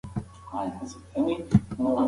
هره ورځ په انټرنیټ کې نوي معلومات خپریږي.